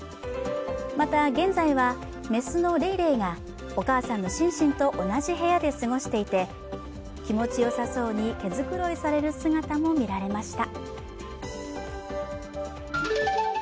また現在は、雌のレイレイがお母さんのシンシンと同じ部屋で過ごしていて気持ちよさそうに毛繕いされる姿も見られました。